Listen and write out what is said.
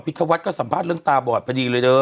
พิทธวัฏก็สัมภาษณ์เรื่องตาบอดพอดีเลยเลย